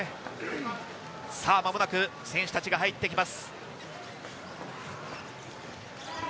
間もなく選手たちが入ってきます。